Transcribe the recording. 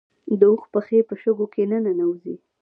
د اوښ پښې په شګو کې نه ننوځي